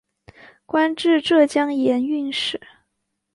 官至浙江盐运使。